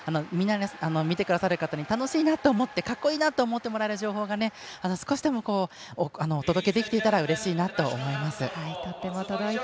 見てくださる方に楽しいなと思って、かっこいいなと思ってもらえる情報が、少しでもお届けできていたらうれしいなと思います。